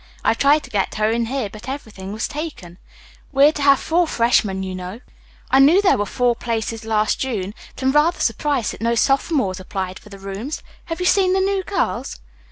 I tried to get her in here, but everything was taken. We are to have four freshmen, you know." "I knew there were four places last June, but am rather surprised that no sophomores applied for rooms. Have you seen the new girls?"